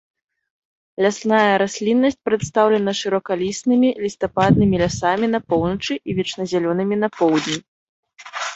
Лясная расліннасць прадстаўлена шыракалістымі лістападнымі лясамі на поўначы і вечназялёнымі на поўдні.